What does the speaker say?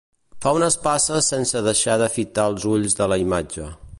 Fa unes passes sense deixar de fitar els ulls de la imatge.